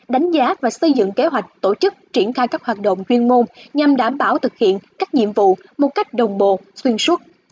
đánh giá và xây dựng kế hoạch tổ chức triển khai các hoạt động chuyên môn nhằm đảm bảo thực hiện các nhiệm vụ một cách đồng bộ xuyên suốt